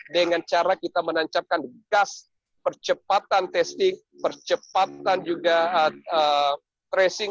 dengan cara kita menancapkan gas percepatan testing percepatan juga tracing